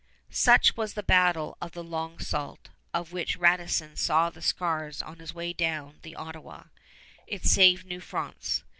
Such was the Battle of the Long Sault of which Radisson saw the scars on his way down the Ottawa. It saved New France.